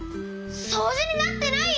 そうじになってない！？